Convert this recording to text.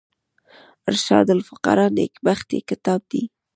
ارشاد الفقراء نېکبختي کتاب دﺉ.